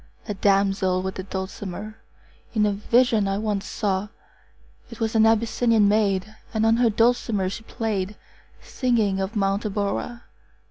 A damsel with a dulcimer In a vision once I saw: It was an Abyssinian maid, And on her dulcimer she play'd, 40 Singing of Mount Abora.